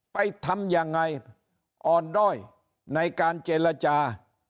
ทำยังไงอ่อนด้อยในการเจรจา